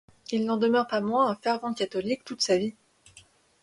Il n'en demeure pas moins un fervent catholique toute sa vie.